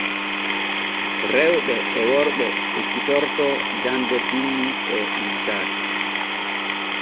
Rewɓe e worɓe ekkitorto jande binni e liisaaki.